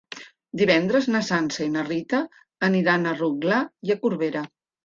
Divendres na Sança i na Rita aniran a Rotglà i Corberà.